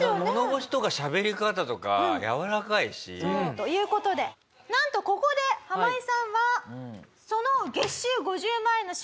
物腰とかしゃべり方とかやわらかいし。という事でなんとここでハマイさんはその。